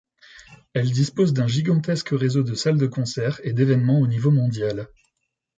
Elle dispose d’un gigantesque réseau de salles de concerts et d’événements au niveau mondial.